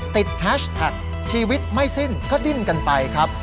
แฮชแท็กชีวิตไม่สิ้นก็ดิ้นกันไปครับ